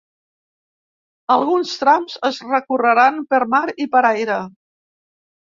Alguns trams es recorreran per mar i per aire.